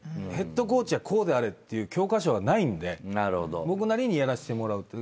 ヘッドコーチはこうであれっていう教科書がないんで僕なりにやらせてもらう。